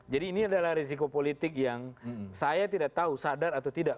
jadi ini adalah risiko politik yang saya tidak tahu sadar atau tidak